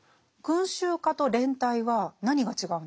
群衆化と連帯は何が違うんですか？